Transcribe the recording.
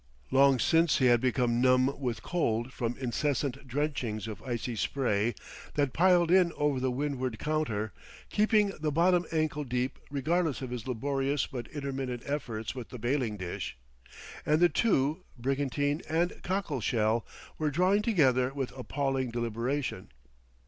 Long since he had become numb with cold from incessant drenchings of icy spray, that piled in over the windward counter, keeping the bottom ankle deep regardless of his laborious but intermittent efforts with the bailing dish. And the two, brigantine and cockle shell, were drawing together with appalling deliberation.